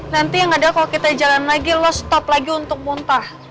nanti yang ada kalau kita jalan lagi lo stop lagi untuk muntah